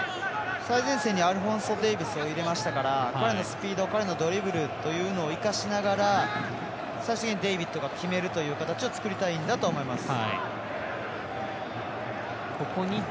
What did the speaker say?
最前線にアルフォンソ・デイビスを入れましたから彼のスピード、彼のドリブルというのを生かしながら最終的にデイビッドか決める形を作りたいんだと思います。